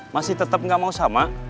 masih tetep gak mau sama